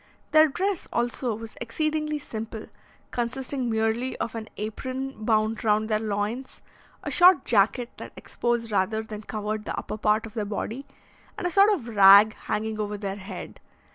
Their dress, also, was exceedingly simple, consisting merely of an apron bound round their loins, a short jacket that exposed rather than covered the upper part of their body, and a sort of rag hanging over their head.